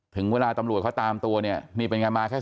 ถึงเวลาตำรวจเขาตามตัวเนี่ยนี่เป็นไงมาแค่